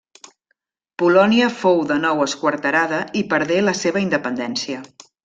Polònia fou de nou esquarterada i perdé la seva independència.